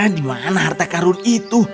di mana harta karun itu